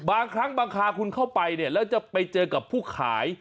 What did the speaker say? บางครั้งบางคราคุณเข้าไปเนี่ยแล้วจะไปเจอกับผู้ขาย